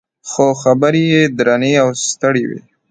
خو خبرې یې درنې او ستړې وې.